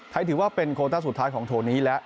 ถือว่าเป็นโคต้าสุดท้ายของโทนี้แล้ว